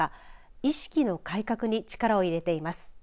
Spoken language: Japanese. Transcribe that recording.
意識の改革に力を入れています。